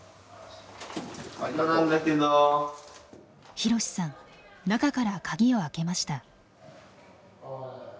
ひろしさん中から鍵をあけました。